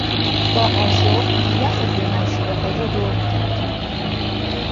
با قاشق، یخ توی مشروب خود را دور میگرداند.